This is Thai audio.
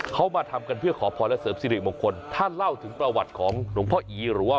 เขามาทำกันเพื่อขอพรและเสริมสิริมงคลถ้าเล่าถึงประวัติของหลวงพ่ออีหรือว่า